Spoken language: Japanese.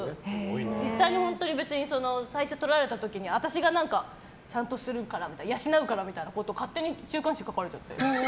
実際に、別に最初、撮られた時に私がちゃんとするからみたいな養うからみたいなことを勝手に週刊誌に書かれて。